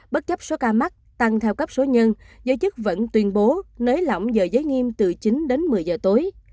bất chấp số ca mắc tăng theo cấp số nhân giới chức vẫn tuyên bố nới lỏng giờ giới nghiêm từ chín đến một mươi giờ tối